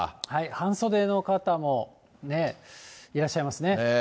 半袖の方もいらっしゃいますね。